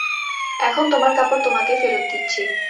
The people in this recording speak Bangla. এখন তোমার কাপড় তোমাকে ফেরত দিচ্ছি।